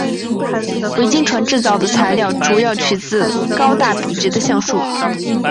维京船制造的材料主要取自高大笔直的橡树。